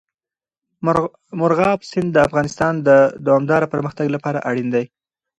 مورغاب سیند د افغانستان د دوامداره پرمختګ لپاره اړین دی.